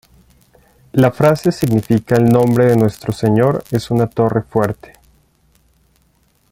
La frase significa "El nombre de nuestro Señor es una torre fuerte.